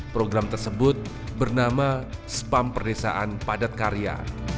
program tersebut bernama spam perdesaan padat karya